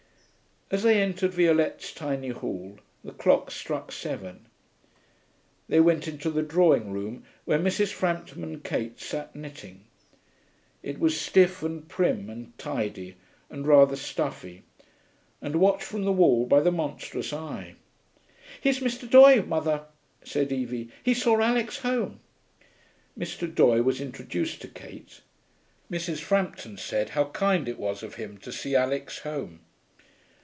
As they entered Violette's tiny hall, the clock struck seven. They went into the drawing room, where Mrs. Frampton and Kate sat knitting. It was stiff and prim and tidy, and rather stuffy, and watched from the wall by the monstrous Eye. 'Here's Mr. Doye, mother,' said Evie. 'He saw Alix home.' Mr. Doye was introduced to Kate. Mrs. Frampton said how kind it was of him to see Alix home.